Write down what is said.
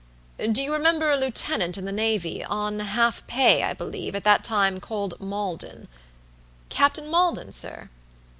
"Do you remember a lieutenant in the navy, on half pay, I believe, at that time, called Maldon?" "Captain Maldon, sir?"